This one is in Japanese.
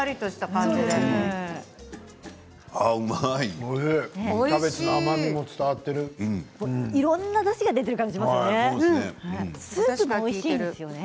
キャベツの甘みもいろんなだしが出ている感じがしますね。